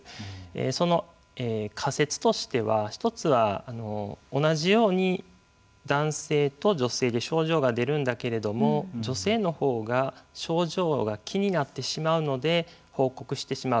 その仮説としては１つは、同じように男性と女性で症状が出るんだけれども女性のほうが症状が気になってしまうので報告してしまう。